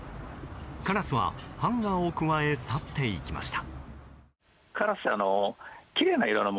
カラスはハンガーをくわえ去っていきました。